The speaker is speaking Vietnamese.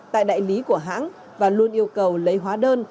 tại đại lý của hãng và luôn yêu cầu lấy hóa đơn